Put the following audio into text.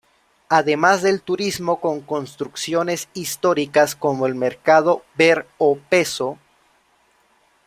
Además del turismo con construcciones históricas como el mercado Ver-o-Peso.